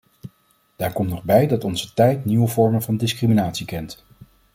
Daar komt nog bij dat onze tijd nieuwe vormen van discriminatie kent.